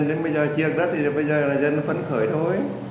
đến bây giờ chia đất thì bây giờ là dân phân khởi thôi